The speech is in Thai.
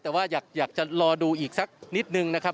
แต่ว่าอยากจะรอดูอีกสักนิดนึงนะครับ